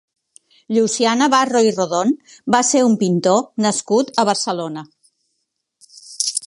Llucià Navarro i Rodón va ser un pintor nascut a Barcelona.